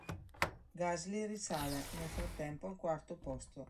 Gasly risale, nel frattempo, al quarto posto.